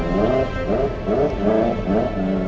mau gue apaan sih lu